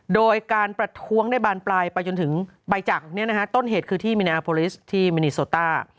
โดยการประท้วงได้บานปลายไปจนถึงใบจักรต้นเหตุคือที่มินาโพลิสที่มินิโซต้า